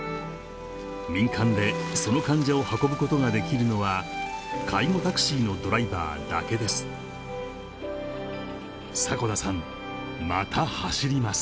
民間でその患者を運ぶことができるのは介護タクシーのドライバーだけです迫田さんまた走ります